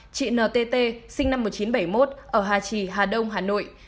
chị n t t sinh năm một nghìn chín trăm bảy mươi một ở hà trì hà đông hà nội